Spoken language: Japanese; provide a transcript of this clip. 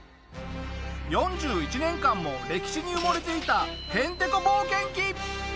４１年間も歴史に埋もれていたヘンテコ冒険記！